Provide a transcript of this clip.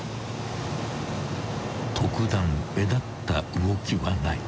［特段目立った動きはない］